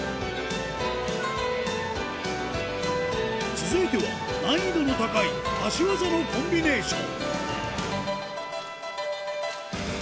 続いては、難易度の高い足技のコンビネーション。